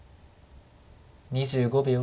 ２５秒。